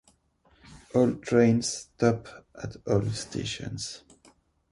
All trains stop at all stations.